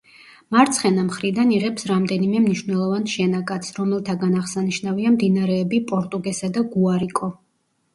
მარცხენა მხრიდან იღებს რამდენიმე მნიშვნელოვან შენაკადს, რომელთაგან აღსანიშნავია მდინარეები პორტუგესა და გუარიკო.